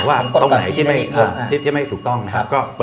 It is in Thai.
ว่าตรงไหนที่ไม่ถูกต้องนะครับ